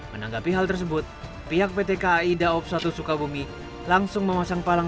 menanggapi hal tersebut pihak pt kai daob satu sukabumi langsung memasang palang